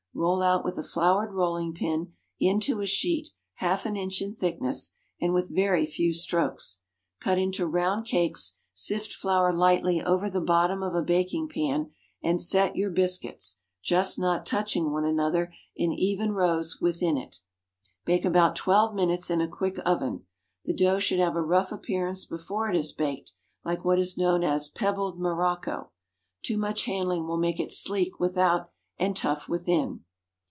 Roll out with a floured rolling pin into a sheet half an inch in thickness, and with very few strokes. Cut into round cakes, sift flour lightly over the bottom of a baking pan, and set your biscuits—just not touching one another—in even rows within it. Bake about twelve minutes in a quick oven. The dough should have a rough appearance before it is baked, like what is known as "pebbled morocco." Too much handling will make it sleek without and tough within.